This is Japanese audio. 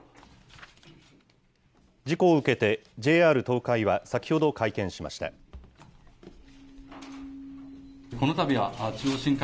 事故を受けて、ＪＲ東海は先ほど会見しました。